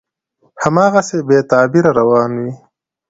هماغسې بې تغییره روان وي،